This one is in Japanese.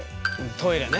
トイレね。